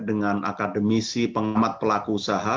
dengan akademisi pengamat pelaku usaha